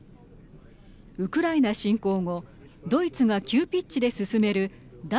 ウクライナ侵攻後ドイツが急ピッチで進める脱